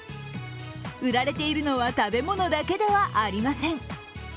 売られているのは食べ物だけではありません。